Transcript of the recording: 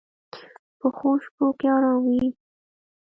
پخو شپو کې آرام وي